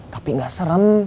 tapi gak serem